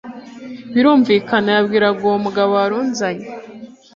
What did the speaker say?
birumvikana, yabwiraga uwo mugabo warunzanye